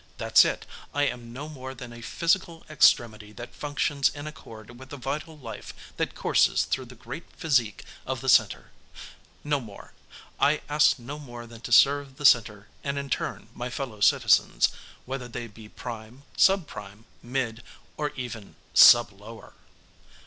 That's it I am no more than a physical extremity that functions in accord with the vital life that courses through the great physique of the Center! No more I ask no more than to serve the Center and in turn, my fellow citizens, whether they be Prime, Sub Prime, Mid, or even Sub Lower!"